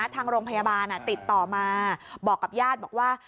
ทางโรงพยาบาลติดต่อมาบอกกับญาติบอกว่า